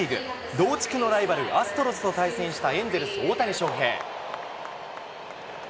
同地区のライバル、アストロズと対戦したエンゼルス、大谷翔平。